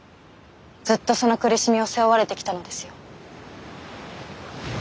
ずっとその苦しみを背負われてきたのですよ。